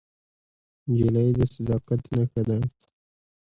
نجلۍ د صداقت نښه ده.